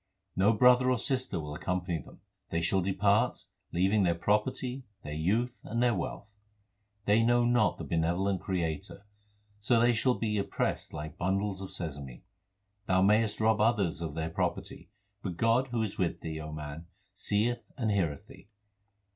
No brother or sister will accompany them. They shall depart, leaving their property, their youth, and their wealth. They know not the benevolent Creator, so they shall be pressed like bundles of sesame. Thou mayest rob others of their property ; But God who is with thee, O man, seeth and heareth thee.